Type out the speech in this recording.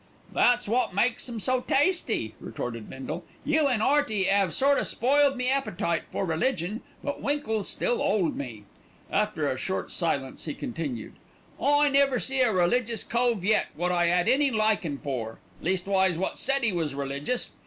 "That's wot makes 'em so tasty," retorted Bindle. "You an' 'Earty 'ave sort o' spoiled me appetite for religion; but winkles still 'old me." After a short silence he continued, "I never see a religious cove yet wot I 'ad any likin' for, leastwise, wot said 'e was religious.